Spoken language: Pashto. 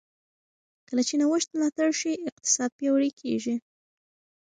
کله چې نوښت ملاتړ شي، اقتصاد پیاوړی کېږي.